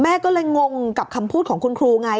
แม่ก็เลยงงกับคำพูดของคุณครูไง